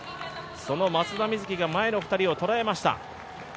その松田瑞生が前の２人を捉えました。